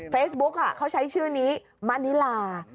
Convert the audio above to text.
เฟซบุ๊คเขาใช้ชื่อนี้มะนิลา